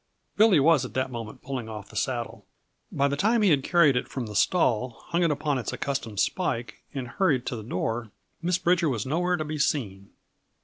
Billy was at that moment pulling off the saddle. By the time he had carried it from the stall, hung it upon its accustomed spike and hurried to the door, Miss Bridger was nowhere to be seen.